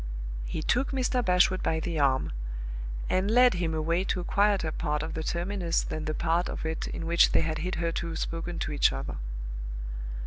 He took Mr. Bashwood by the arm, and led him away to a quieter part of the terminus than the part of it in which they had hitherto spoken to each other.